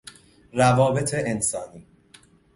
روابط انسانی